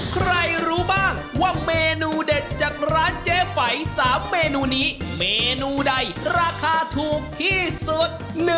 ใครรู้บ้างว่าเมนูเด็ดจากร้านเจ๊ไฝ๓เมนูนี้เมนูใดราคาถูกที่สุด